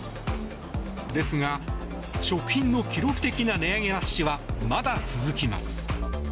ですが、食品の記録的な値上げラッシュはまだ続きます。